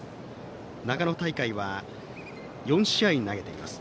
長野大会は４試合投げています。